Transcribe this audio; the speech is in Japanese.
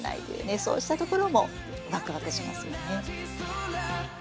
そうしたところもワクワクしますよね。